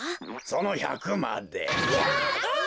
その１００まで。